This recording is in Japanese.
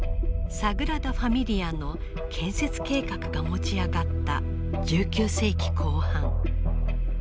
サグラダ・ファミリアの建設計画が持ち上がった１９世紀後半。